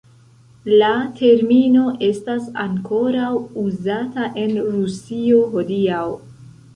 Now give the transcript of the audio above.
La termino estas ankoraŭ uzata en Rusio hodiaŭ.